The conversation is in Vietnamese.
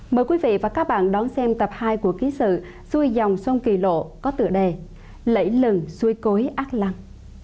mời quý vị và các bạn đón xem tập hai của ký sự xuôi dòng sông kỳ lộ có tựa đề lẫy lừng xuôi cối ác lăng